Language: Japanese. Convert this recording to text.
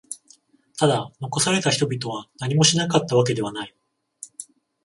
ただ、残された人々は何もしなかったわけではない。